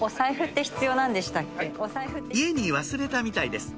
家に忘れたみたいです